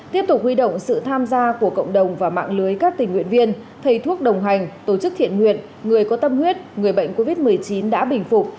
tiếp tục huy động sự tham gia của cộng đồng và mạng lưới các tình nguyện viên thầy thuốc đồng hành tổ chức thiện nguyện người có tâm huyết người bệnh covid một mươi chín đã bình phục